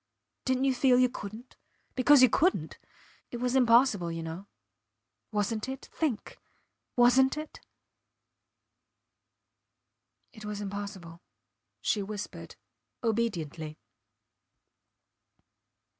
... Didnt you feel you couldnt? Because you couldnt ... it was impossible you know. Wasnt it? Think. Wasnt it? It was impossible, she whispered, obediently.